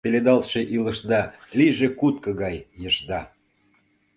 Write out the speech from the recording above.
Пеледалтше илышда, лийже кутко гай ешда.